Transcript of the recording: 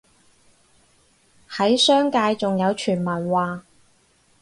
喺商界仲有傳聞話